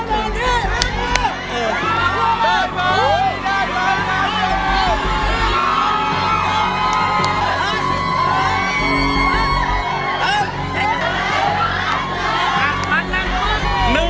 ได้มาเลยได้ร้านล้านบาท